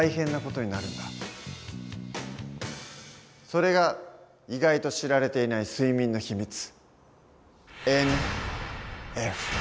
それが意外と知られていない睡眠のひみつ。